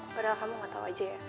padahal kamu gak tau aja ya